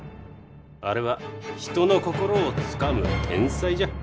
あれは人の心をつかむ天才じゃ。